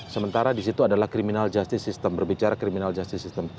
sementara di situ adalah criminal justice system berbicara criminal justice system